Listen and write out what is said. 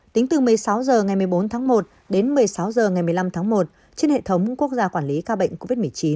tính từ một mươi sáu h ngày một mươi bốn tháng một đến một mươi sáu h ngày một mươi năm tháng một trên hệ thống quốc gia quản lý ca bệnh covid một mươi chín